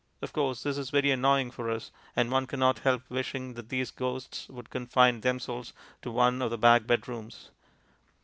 Of course, this is very annoying for us, and one cannot help wishing that these ghosts would confine themselves to one of the back bedrooms.